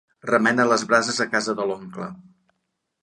Remena les brases a casa de l'oncle.